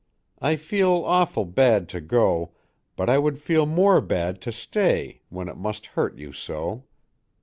I feel awful bad to go but I would feel more bad to stay when it must hurt you so.